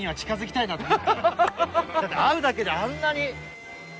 だって会うだけであんなに。